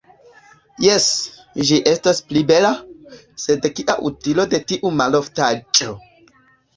Jes, ĝi estas pli bela, sed kia utilo de tiu maloftaĵo.